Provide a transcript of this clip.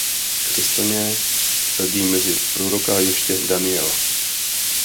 Křesťané řadí mezi proroky ještě Daniela.